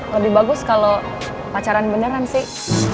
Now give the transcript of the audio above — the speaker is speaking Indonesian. lebih bagus kalau pacaran beneran sih